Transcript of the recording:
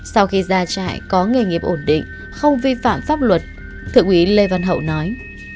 sau khi ra trại có nghề nghiệp ổn định không vi phạm pháp luật thượng úy lê văn hậu nói